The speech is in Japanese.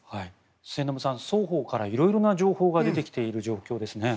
末延さん双方から色々な情報が出てきている状況ですね。